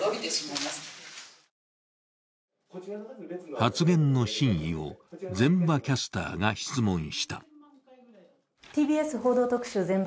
発言の真意を膳場キャスターが質問した。